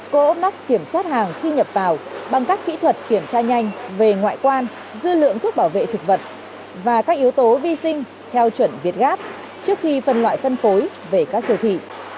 cố mắc kiểm soát hàng khi nhập vào bằng các kỹ thuật kiểm tra nhanh về ngoại quan dư lượng thuốc bảo vệ thực vật và các yếu tố vi sinh theo chuẩn việt gáp trước khi phân loại phân phối về các siêu thị